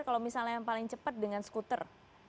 kalau misalnya yang paling cepat dengan skuter